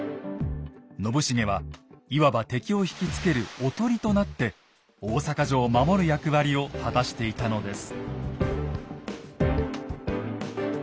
信繁はいわば敵を引きつける「おとり」となって大坂城を守る役割を果たしていたのです。